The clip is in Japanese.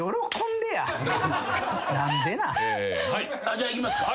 じゃあいきますか？